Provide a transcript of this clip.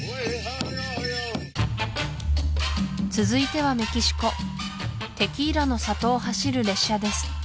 続いてはメキシコテキーラの里を走る列車です